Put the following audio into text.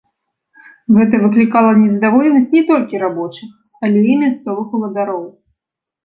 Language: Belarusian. Гэта выклікала незадаволенасць не толькі рабочых, але і мясцовых уладароў.